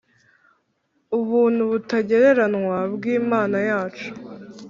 ubuntu butagereranywa bw’Imana yacu